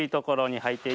はい。